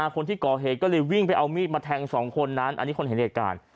คนที่ก่อเหตุก็เลยวิ่งไปเอามีดมาแทงสองคนนั้นอันนี้คนเห็นเหตุการณ์